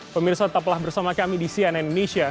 pemirsa tetaplah bersama kami di cnn indonesia